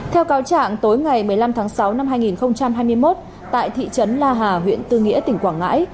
theo cáo trạng tối ngày một mươi năm tháng sáu năm hai nghìn hai mươi một tại thị trấn la hà huyện tư nghĩa tỉnh quảng ngãi